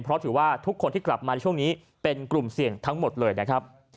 เพราะถือว่าทุกคนที่กลับมาในช่วงนี้เป็นกลุ่มเสี่ยงทั้งหมดเลยนะครับ